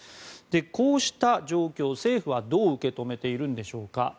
こうした状況、政府はどう受け止めているんでしょうか。